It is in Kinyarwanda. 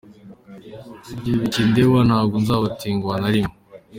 - Igihe bikindeba ntabwo nzabatenguha na rimwe.